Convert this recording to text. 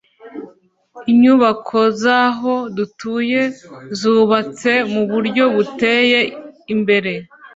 Inyubako zaho dutuye zubatse muburyo buteye imbere